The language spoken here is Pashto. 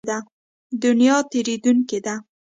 دنیا تېرېدونکې ده.